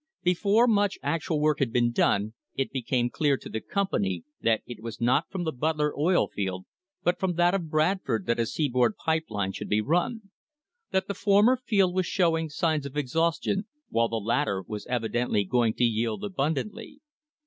Before much actual work had been done it became clear to the company that it was not from the Butler oil field but from that of Bradford that a seaboard pipe line should run; that the for mer field was showing signs of exhaustion, while the latter was evidently going to yield abundantly.